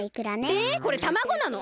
えっこれたまごなの！？